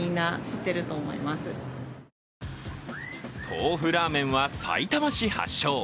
トーフラーメンはさいたま市発祥。